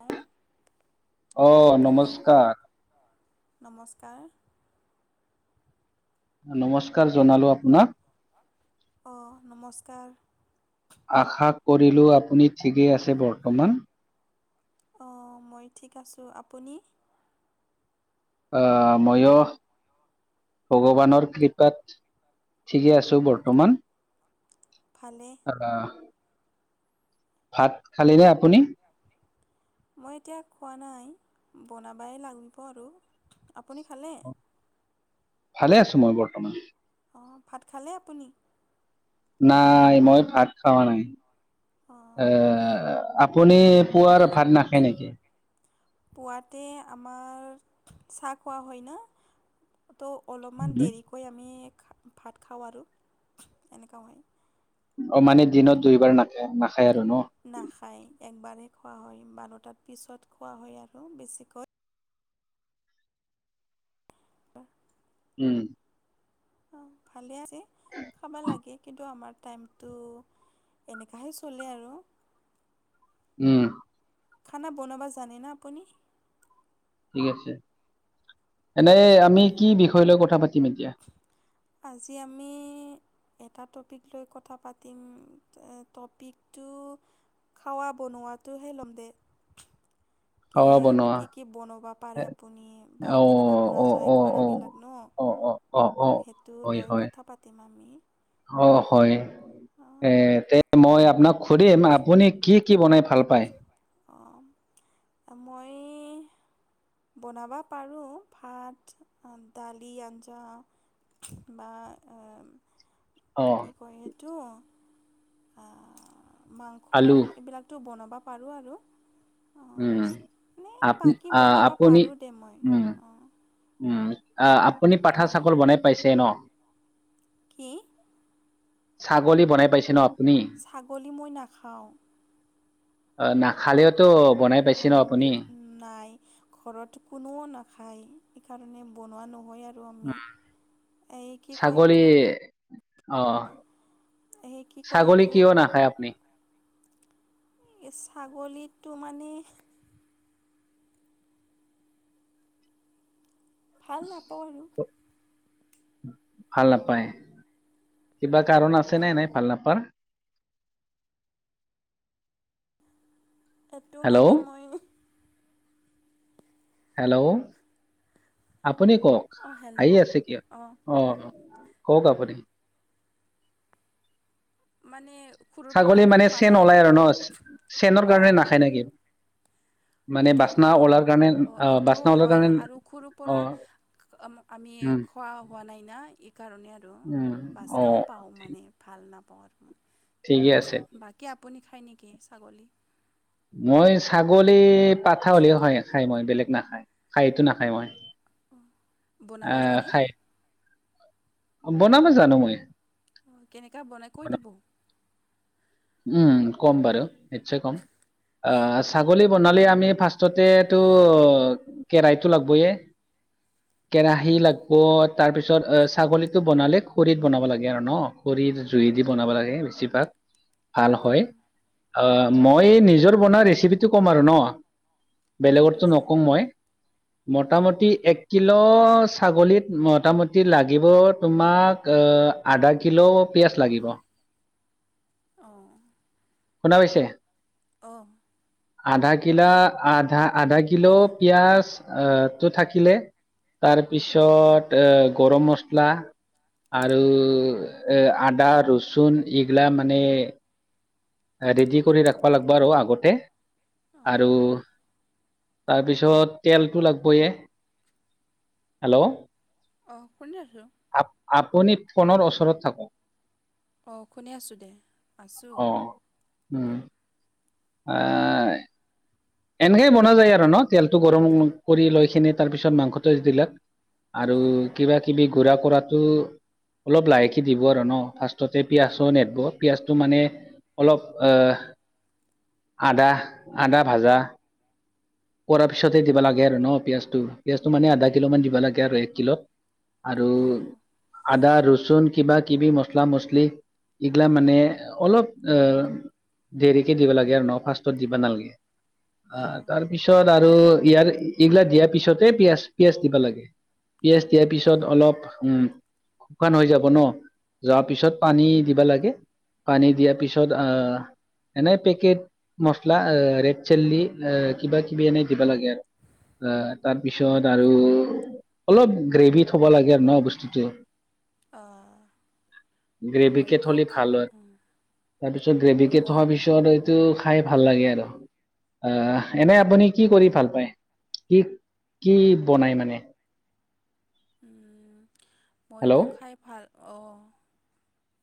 অ'? অ', নমস্কাৰ। নমস্কাৰ। নমস্কাৰ জনালো আপোনাক। অঁ নমস্কাৰ। আশা কৰিলো আপুনি ঠিকেই আছে বৰ্তমান। অঁ মই ঠিক আছোঁ আপুনি? আ ময়ো ভগৱানৰ কৃপাত ঠিকে আছো বৰ্তমান। ভালে। আ। ভাত খালিনে আপুনি? মই এতিয়া খোৱা নাই বনাবাই লাগিব আৰু আপুনি খালে? ভালে আছো মই বৰ্তমান। অঁ ভাত খালে আপুনি? নাই মই ভাত খাৱা নাই। এ অঁ আপুনি পুৱাৰ ভাত নাখায় নেকি? পুৱাতে আমাৰ চাহ খোৱা হয় ন। ত অলপমান উম। দেৰিকৈ আমি ভাত খাওঁ আৰু, এনেকুৱা হয়। অ মানে দিনত দুইবাৰ নাখায় নাখায় আৰু ন। নাখায় একবাৰেই খোৱা হয় বাৰটাত পিছত খোৱা হয় আৰু বেছিকৈ। উম। অ ভালে আছে খাবা লাগে, কিন্তু আমাৰ টাইমটো এনেকাহে চলে আৰু। উম। খানা বনাবা জানেনে আপুনি? ঠিক আছে, এনে আমি কি বিষয় লৈ কথা পাতিম এতিয়া। আজি আমি এটা টপিক লৈ কথা পাতিম। টপিকটো খাৱা বনোৱাটো হে লম দে। কি খোৱা বনোৱা। কি কি বনাব এ পাৰে আপুনি অ বা অ কেনেকে বনা অ যায়। অ খানাবিলাক ন, অ অ অ অ সেইটো হয় লৈ হয় কথা পাতিম আমি। অ হয় এ অঁ তে মই আপোনাক শুধিম আপুনি কি কি বনাই ভাল পায়। অ মই বনাব পাৰোঁ ভাত, দালি, আঞ্জা। বা অ। ক সেইটো, মাংস আলু এইবিলাকতো বনাব পাৰোঁ আৰু। উম অঁ নে আপ বাকী আ, বনাব আপুনি পাৰোঁ দে মই উম অঁ। উম আপুনি পাঠা চাগল বনাই পাইছে ন? কি? ছাগলী বনাই পাইছে ন আপুনি ছাগলী মই নাখাওঁ। অ নাখালেওতো বনাই পাইছে ন আপুনি? নাই। ঘৰত কোনো নাখায় সেইকাৰণে বনোৱা নহয় আৰু আমি। উম, এই কি কয় ছাগলী এইটো। অ এই কি কয় ছাগলী এইটো কিয় নাখায় আপুনি? ছাগলীটো মানে ভাল নাপাওঁ আৰু। ভাল নাপায়, কিবা কাৰণ আছেনে এনে ভাল নাপাৰ? এইটো মানে হেল্ল' মই হেল্ল' আপুনি কওক অঁ হেল্ল' হাঁহি আছে কিয়? অঁ অ অ কওক আপুনি। মানে হৰুৰ ছাগলী পৰাই মানে খোৱা চেন নাই ওলাই আৰু ন চেনৰ অঁ কাৰণে হয়। নাখায় নেকি মানে এইটো বাচনা হয় ওলাৰ কাৰণে অ এইটোও বাচনা ওলাৰ হয় কাৰণে আৰু সুৰৰ অ পৰা আমি উম খোৱা হোৱা নাই না, এইকাৰণে আৰু উম অ বাচনাও পাওঁ। ঠিক- মানে ভাল নাপাওঁ আৰু মই। ঠিকে আছে। বাকী আপুনি খায় নেকি ছাগলী? মই ছাগলী পাঠা হ'লেও খাই খাই মই বেলেগ নাখায় খাইতো নাখায় মই। অঁ, বনাব আহ জানে? খাই বনাব জানো মই। অ, কেনেকা বনাই কৈ দিব। বনাব- উম কম বাৰু নিশ্চয় কম। আঁহ ছাগলী বনালে আমি ফাৰ্ষ্টতেতো কেৰাইতটো লাগবয়ে। কেৰাহী লাগব তাৰ পিছত ছাগলীটো বনালে খৰিত বনাব লাগে আৰু ন? খৰি জুইে দি বনাব লাগে বেছিভাগ। ভাল হয়, আহ মই নিজৰ বনোৱা ৰেচিপিটো ক'ম আৰু ন? বেলেগৰটো দে নকম মই। মোটামুটি এক কিলো ছাগলীত মোটামুটি লাগিব তোমাক আহ আধা কিলো পিয়াঁজ লাগিব। অঁ শুনা পাইছে? অ আধা কিলা আধা আধা কিলো পিঁয়াজ আহ টো থাকিলে তাৰপিছত এ গৰম মছলা আৰু এ আদা ৰচুন এইগিলা মানে ৰেডি কৰি ৰাখবা লাগব আৰু আগতে আৰু অঁ তাৰপিছত তেলটো লাগবয়ে, হেল্ল' অঁ শুনি আছোঁ। আপ আপুনি ফোনৰ ওচৰত থাকক। অঁ শুনে আছোঁ দে আছোঁ। অ উম আ এনেকেইে বনোৱা যায় আৰু ন তেলটো গৰম কৰি লৈ খিনি তাৰপিছত মাংসটো দিলে। আৰু অঁ কিবা কিবি ঘূৰা ফুৰাতো অলপ লাহেকে দিব আৰু ন ফাৰ্ষ্টতে পিয়াজো নেদিব পিয়াঁজটো মানে অলপ আহ আদা আদা ভাজা কৰাৰ পিছতহে দিবা লাগে আৰু ন পিয়াঁজটো পিঁয়াজটো মানে আধা কিলো মান দিবা লাগে আৰু এক কিল আৰু অঁ আদা ৰচুন কিবা কিবি মছলা মছলি। এইগিলা মানে অলপ অ দেৰিকে দিব লাগে আৰু ন ফাৰ্ষ্টত দিবা নালাগে আহ অঁ তাৰপিছত পিছত আৰু ইয়াৰ এইবিলাক দিয়াৰ পিছতে পিঁয়াজ, পিয়াজ দিবা লাগে। পিঁয়াজ দিয়াৰ পিছত অলপ উম। শুকান হৈ যাব ন যোৱাৰ পিছত পানী দিবা লাগে। পানী দিয়াৰ পিছত আহ এনেই পেকেট মচলা ৰেড চিল্লি কিবা কিবি এনে দিব লাগে। অ তাৰপিছত আৰু অলপ গ্ৰেভি থ'ব লাগে আৰু ন বস্তুটো। অ, গ্ৰেভি কে থলে ভাল হয় তাৰপিছত গ্ৰেভি কে মই থোৱাৰ পিছত। টো খাই ভাল লাগে আৰু আ এনে আপুনি কি কৰি ভাল পায় কি কি বনাই মানে হেল্ল' মইতো খাই ভাল অঁ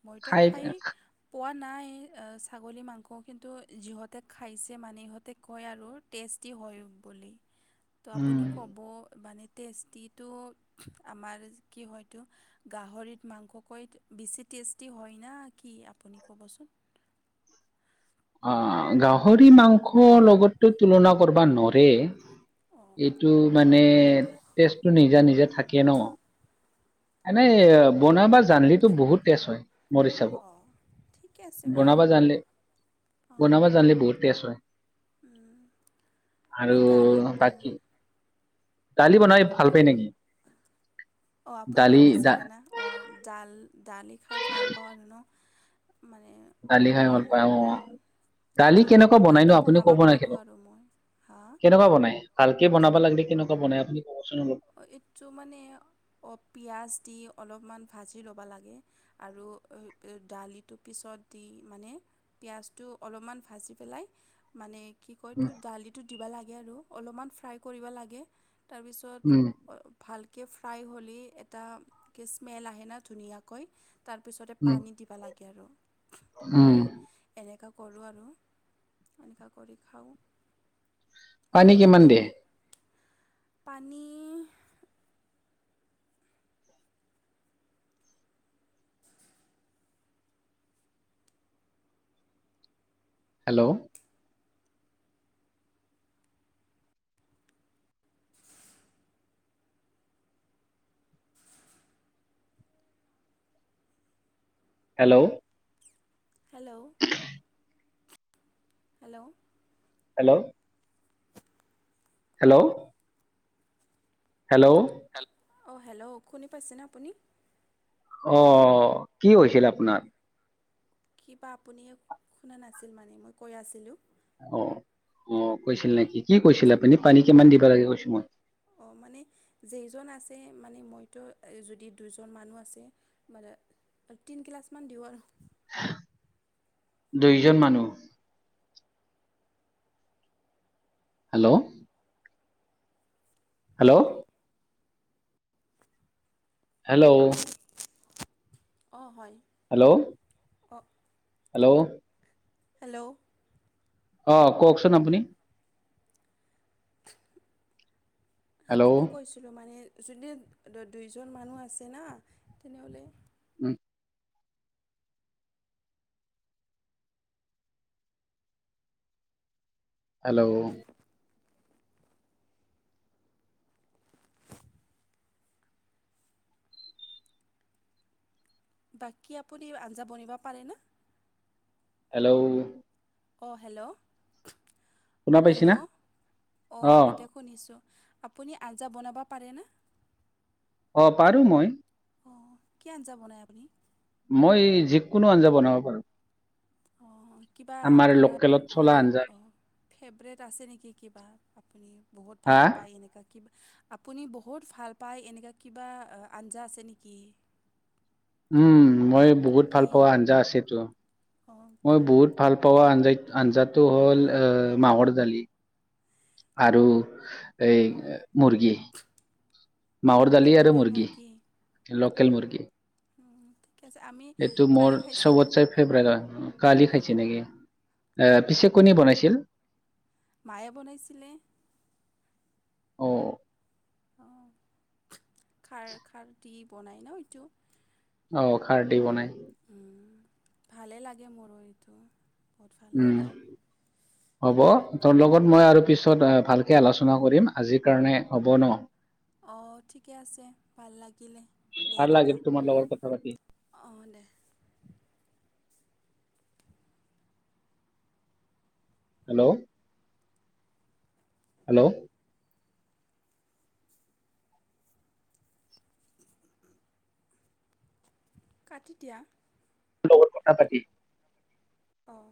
মইতো খাই পোৱা নাই ছাগলী মাংস কিন্তু যিহঁতে খাইছে মানে ইহঁতে কয় আৰু টেষ্টি হয় বুলি। [inaudible] ত' আপুনি ক'ব মানে টেষ্টিটো আমাৰ কি হয়তো গাহৰিত মাংসকৈ বেছি টেষ্টি হয় না কি আপুনি ক'বচোন? অ গাহৰি মাংস লগতো তুলনা কৰিব নোৱাৰে অঁ এইটো মানে তেজটো নিজা নিজা থাকে ন এনেই বনাবা জানিলেটো বহুত টেছ হয়। মৰি চাব অঁ ঠিকে আছে বাৰু বনাবা জানিলে। অঁ বনাব জানিলে বহুত টেষ্ট হয় উম, আৰু মই দালি অঁ বাকী দালি বনাই ভাল পায় নেকি? অঁ আপুনি দালি দা সুধিছিলে না অঁ ডাল দালি খাই ভাল পাওঁ আৰু নো মানে দালি খাই অলপমান, ভাল পায় অ দালি এইটো কেনেকুৱা বনাই নো ভালকে আপুনি বনাব ক'ব নেকি পাৰোঁ মোক? আৰু মই হা কেনেকুৱা বনাই? ভালকে বনাব লাগে কেনেকুৱা বাই আপুনি কবচোন? অলপ? এইটো মানে অ পিঁয়াজ দি অলপমান ভাজি ল'ব লাগে। আৰু দালিটো পিছত দি মানে পিঁয়াজটো অলপমান ভাজি পেলাই। মানে কি কয়তটো উম, দালিটো দিবা লাগে আৰু অলপমান ফ্ৰাই কৰিব লাগে তাৰপিছত উম। ভালকে ফ্ৰাই হ'লেই এটা স্মেল আহে না ধুনীয়াকৈ। তাৰপিছতে উম, পানী দিবা লাগে আৰু উম। হয়। এনেকুৱা কৰোঁ আৰু এনেকুৱা কৰি খাওঁ। ভাল পানী কিমান লাগে দিয়ে? আৰু নি hello, [inaudible] hello. Hello, hello. Hello. Hello. Hello. হেল, অ', হেল্ল', শুনি পাইছেনে আপুনি? অ', কি হৈছিল আপোনাৰ? কি বা আপুনিয়ে শুনা নাছিল মানে, মই কৈ আছিলোঁ। অ', অ', কৈছিল নেকি? কি কৈছিলে আপুনি পানী কিমান দিব লাগে কৈছো মই। অ', মানে যেইজন আছে মানে মইতো যদি দুজন মানুহ আছে মানে তিনি কিলাচমান দিওঁ আৰু। দুইজন মানুহ। হেল্ল'। হেল্ল'। হেল্ল'। অ', হয়। হেল্ল', অঁ হেল্ল'। হেল্ল'। অ', কওকচোন আপুনি। হেল্ল' সেইটো উম কৈছিলোঁ মানে, যদি দুইজন মানুহ আছে না তেনেহ'লে উম। হেল্ল'। বাকী আপুনি আঞ্জা বনিব পাৰেনে? হেল্ল'। অ', হেল্ল', শুনা পাইছিনা হেল্ল', অ', এতি শুনিছোঁ, আপুনি আঞ্জা বনাব পাৰেনে? অ', পাৰো মই। অ', কি আঞ্জা বনায় আপুনি? মই এই যিকোনো আঞ্জা বনাব পাৰো। অ', কিবা আমাৰ আপোনাৰ লোকেলত চলা মানে আঞ্জা অ', ফেভৰেট আছে নেকি কিবা? আপুনি বহুত হা ভাল পায় এনেকুৱা কিবা? আপুনি বহুত ভাল পায় এনেকুৱা কিবা আঞ্জা আছে নেকি? উম, মই বহুত ভাল কি পোৱা আঞ্জা আছেতো, অঁ মই বহুত ভাল পোৱা আঞ্জা-আঞ্জাটো হ'ল অ', মাহৰ দালি। আৰু এই মুৰ্গী। মাহৰ দালি আৰু মুৰ্গী, লোকেল মুৰ্গী। উম। [unintelligible] আমি এইটো মোৰ কালি খাইছিলোঁ চবতচে ফেভৰেট হয়, কালি খাইছে অঁ নেকি? অ', পিছে কোনে বনাইছিল? মায়ে বনাইছিলে। অ'। অ', খাৰ-খাৰ দি বনাই ন এইটো? অ', খাৰ দি বনাই। উম ভালে লাগে মোৰো এইটো। বহুত ভাল উম, লাগে হব তোৰ লগত মই আৰু পিছত ভালকে আলোচনা কৰিম, আজি কাৰণে হ'ব ন। অঁ ঠিকে আছে ভাল লাগিলে দে ভাল লাগিল ৰাখা। তোমাৰ লগত কথা পাতি অঁ দে। হেল্ল'। হেল্ল'। কাটি দিয়া। [unintelligible] অঁ